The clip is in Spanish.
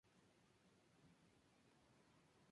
Los Seminola continuaron la lucha.